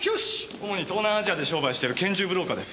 主に東南アジアで商売している拳銃ブローカーです。